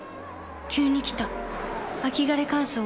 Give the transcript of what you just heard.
急に来た秋枯れ乾燥。